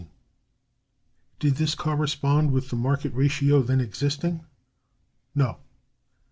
Did this correspond with the market ratio then existing? No.